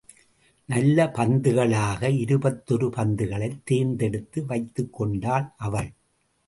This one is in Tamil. நல்ல பந்துகளாக இருபத்தொரு பந்துகளைத் தேர்ந்தெடுத்து வைத்துக்கொண்டாள் அவள்.